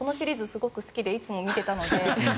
すごく好きでいつも見ていたので。